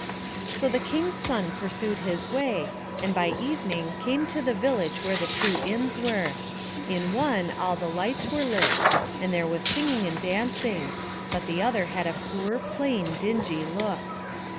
So the King's son pursued his way, and by evening came to the village where the two inns were; in one all the Ughts were lit, and there was singing and dancing, but the other had a poor, plain, dingy look.